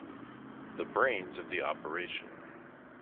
the brains of the operation